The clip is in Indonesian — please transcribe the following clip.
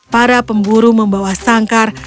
para pemburu membawa sangkar